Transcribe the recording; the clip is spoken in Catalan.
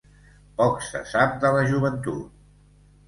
Poc se sap de la joventut.